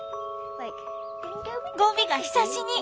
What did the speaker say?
ゴビがひさしに！